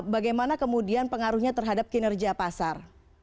bagaimana kemudian pengaruhnya terhadap kinerja pasar